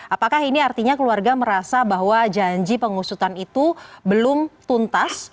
apakah ini artinya keluarga merasa bahwa janji pengusutan itu belum tuntas